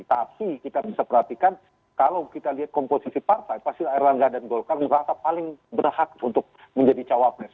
tapi kita bisa perhatikan kalau kita lihat komposisi partai pasti erlangga dan golkar merasa paling berhak untuk menjadi cawapres